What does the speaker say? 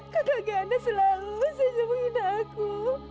kakak giana selalu senyum gina aku